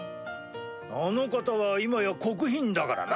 あの方は今や国賓だからな。